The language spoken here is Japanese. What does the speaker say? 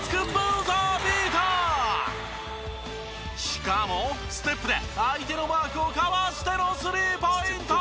しかもステップで相手のマークをかわしてのスリーポイント！